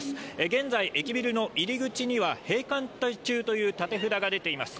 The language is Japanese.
現在、駅ビルの入り口には、閉館中という立札が出ています。